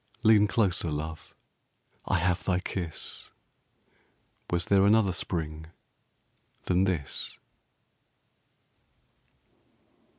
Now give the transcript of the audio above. Lean closer, love I have thy kiss! Was there another Spring than this?